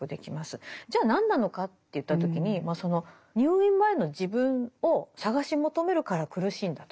じゃあ何なのかといった時に入院前の自分を探し求めるから苦しいんだと。